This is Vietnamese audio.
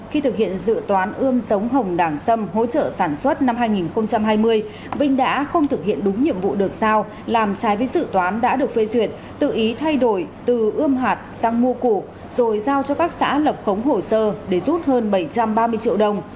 khi thực hiện dự toán ươm sống hồng đảng sâm hỗ trợ sản xuất năm hai nghìn hai mươi vinh đã không thực hiện đúng nhiệm vụ được sao làm trái với dự toán đã được phê duyệt tự ý thay đổi từ ươm hạt sang mua củ rồi giao cho các xã lập khống hồ sơ để rút hơn bảy trăm ba mươi triệu đồng